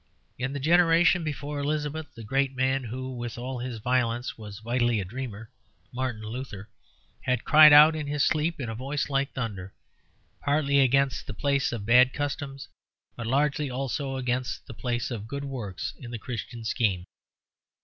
In the generation before Elizabeth a great man who, with all his violence, was vitally a dreamer, Martin Luther, had cried out in his sleep in a voice like thunder, partly against the place of bad customs, but largely also against the place of good works in the Christian scheme.